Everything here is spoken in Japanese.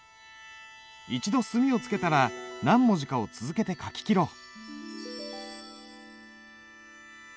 一度墨をつけたら何文字かを続けて書ききろう。